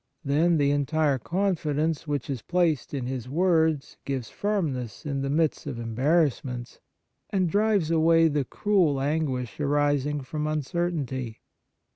Then the entire confidence which is placed in his words gives firmness in the midst of embarrassments, and drives away the cruel anguish arising from un certainty.